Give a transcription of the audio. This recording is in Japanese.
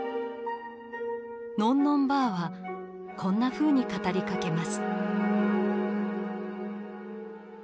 のんのんばあはこんなふうに語りかけます。